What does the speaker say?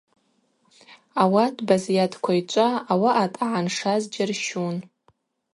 Ауат Базйат Квайчӏва ауаъа дъагӏаншаз джьарщун.